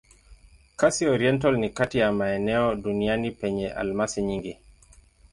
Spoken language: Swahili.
Kasai-Oriental ni kati ya maeneo duniani penye almasi nyingi.